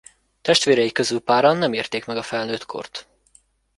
Testvérei közül páran nem érték meg a felnőttkort.